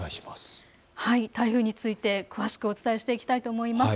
台風について詳しくお伝えしていきたいと思います。